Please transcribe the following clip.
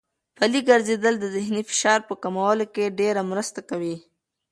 پلي ګرځېدل د ذهني فشار په کمولو کې ډېره مرسته کوي.